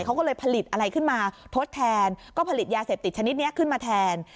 เขาก็เลยผลิตอะไรขึ้นมาทดแทนก็ผลิตยาเสพติดชนิดนี้ขึ้นมาแทน